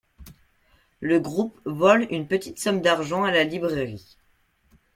Le groupe vole une petite somme d'argent à la librairie.